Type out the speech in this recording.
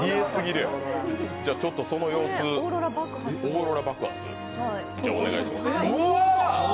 その様子、オーロラ爆発、お願いします。